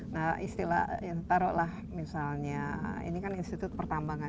nah istilah taruhlah misalnya ini kan institut pertambangan